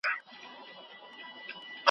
سرتیری د خپلي خاورې ساتونکی دی.